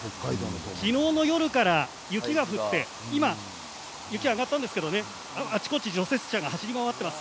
昨日の夜から雪が降って今雪は上がったんですがあちこち除雪車が走り回っています。